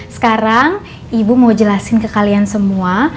sekarang ibu mau jelasin ke kalian semua